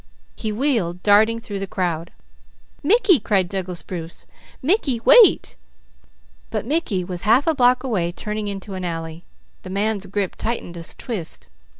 He wheeled, darting through the crowd. "Mickey!" cried Douglas Bruce. "Mickey, wait!" But Mickey was half a block away turning into an alley. The man's grip tightened a twist.